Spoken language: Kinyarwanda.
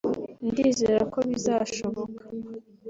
ndizera ko bizashoboka